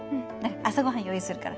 朝ごはん用意するから。